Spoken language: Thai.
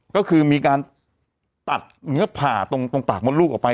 ก็คือมีการตัดเนื้อผ่าตรงปากมดลูกออกไป